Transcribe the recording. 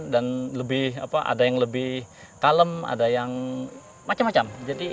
dan ada yang lebih kalem ada yang macam macam